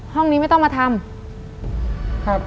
ห้องนี้ไม่ต้องมาทำ